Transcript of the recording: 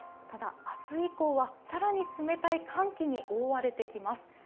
ただ、明日以降は更に冷たい寒気に覆われてきます。